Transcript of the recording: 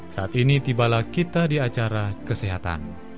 saat ini tibalah kita di acara kesehatan